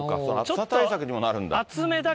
熱さ対策にもなるんだ。